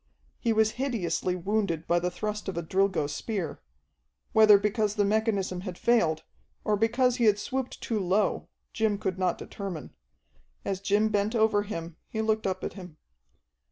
He was hideously wounded by the thrust of a Drilgo spear whether because the mechanism had failed, or because he had swooped too low, Jim could not determine. As Jim bent over him he looked up at him.